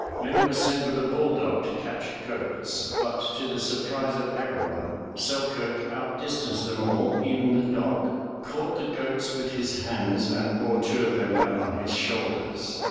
Men were sent with a bull dog to capture goats, but to the surprise of everyone, Selkirk out distanced them all, even the dog, caught the goats with his hands and bore two of them back on his shoulders.